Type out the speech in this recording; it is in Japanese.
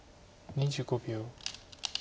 ２５秒。